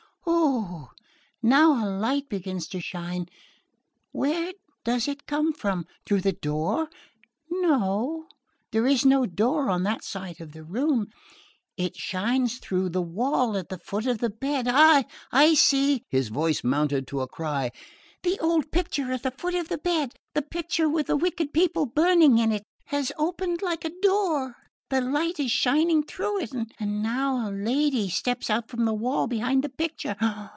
Oh, now a light begins to shine...where does it come from? Through the door? No, there is no door on that side of the room...It shines through the wall at the foot of the bed...ah! I see" his voice mounted to a cry "The old picture at the foot of the bed...the picture with the wicked people burning in it...has opened like a door...the light is shining through it...and now a lady steps out from the wall behind the picture...